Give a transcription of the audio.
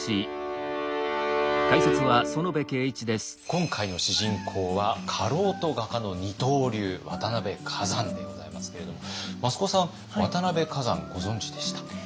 今回の主人公は家老と画家の二刀流渡辺崋山でございますけれども益子さん渡辺崋山ご存じでした？